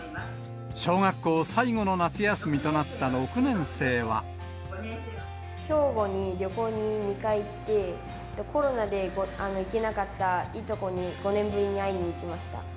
小学校最後の夏休みとなった６年兵庫に旅行に２回行って、コロナで行けなかったいとこに、５年ぶりに会いに行きました。